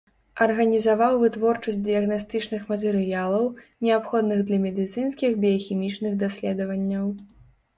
Арганізаваў вытворчасць дыягнастычных матэрыялаў, неабходных для медыцынскіх біяхімічных даследаванняў.